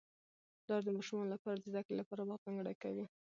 پلار د ماشومانو لپاره د زده کړې لپاره وخت ځانګړی کوي